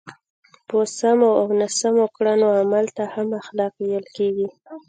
په سمو او ناسم کړنو عمل ته هم اخلاق ویل کېږي.